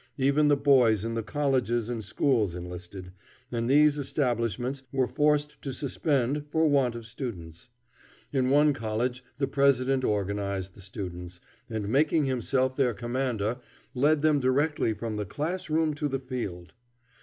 Even the boys in the colleges and schools enlisted, and these establishments were forced to suspend for want of students. In one college the president organized the students, and making himself their commander, led them directly from the class room to the field.